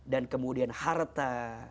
dan kemudian harta